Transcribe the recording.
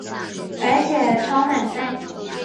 而且超满载